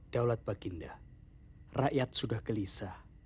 daulat baginda rakyat sudah gelisah